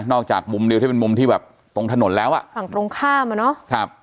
จากมุมเดียวที่เป็นมุมที่แบบตรงถนนแล้วอ่ะฝั่งตรงข้ามอ่ะเนอะครับ